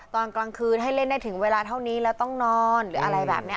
ตอนกลางคืนให้เล่นได้ถึงเวลาเท่านี้แล้วต้องนอนหรืออะไรแบบนี้